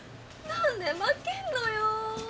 何で負けんのよ。